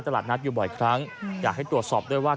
ตลาดนัดอยู่บ่อยครั้งอยากให้ตรวจสอบด้วยว่า